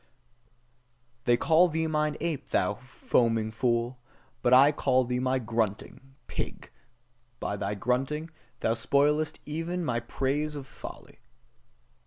They call thee mine ape, thou foaming fool: but I call thee my grunting pig, by thy grunting, thou spoilest even my praise of folly.